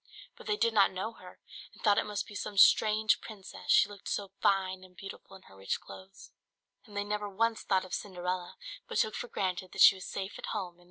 But they did not know her, and thought it must be some strange princess, she looked so fine and beautiful in her rich clothes; and they never once thought of Cinderella, but took for granted that she was safe at home in the dirt.